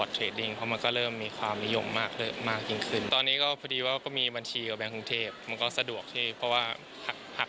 ถ้ามีเงินสักระดับหนึ่งก็อยากจะออกไปเล่นต่างประเทศเหมือนกันครับ